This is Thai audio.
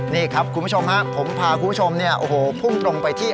นี่ครับคุณผู้ชมฮะผมพาคุณผู้ชมพุ่งตรงไปที่